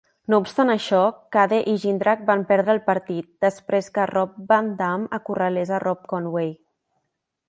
No obstant això, Cade i Jindrak van perdre el partit, després que Rob Van Dam acorralés a Rob Conway.